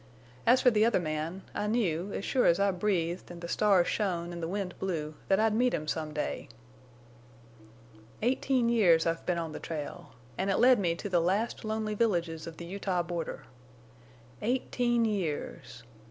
As for the other man, I knew, as sure as I breathed en' the stars shone en' the wind blew, that I'd meet him some day. "Eighteen years I've been on the trail. An' it led me to the last lonely villages of the Utah border. Eighteen years!...